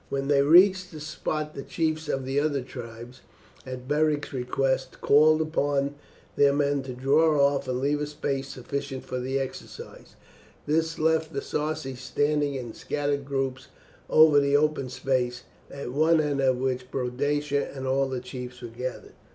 When they reached the spot the chiefs of the other tribes, at Beric's request, called upon their men to draw off and leave a space sufficient for the exercises. This left the Sarci standing in scattered groups over the open space, at one end of which Boadicea and all the chiefs were gathered.